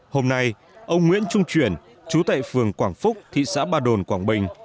hôm nay ông nguyễn trung chuyển chú tại phường quảng phúc thị xã ba đồn quảng bình